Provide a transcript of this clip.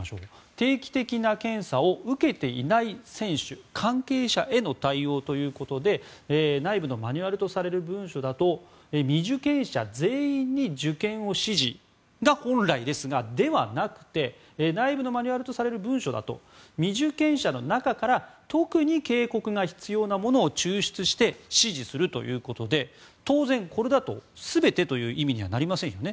定期的な検査を受けていない選手関係者への対応ということで内部のマニュアルとされる文書だと未受検者全員に受検を指示が本来なんですがではなくて内部のマニュアルとされる文書だと未受検者の中から特に警告が必要なものを抽出して指示するということで当然、これだと全てという意味にはなりませんよね。